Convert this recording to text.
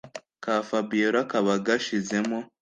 ka fabiora kaba gashizemo